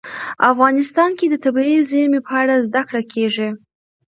افغانستان کې د طبیعي زیرمې په اړه زده کړه کېږي.